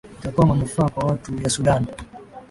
itakuwa manufaa kwa watu ya sudan